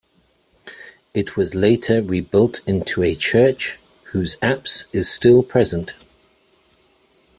It was later rebuilt into a church, whose apse is still present.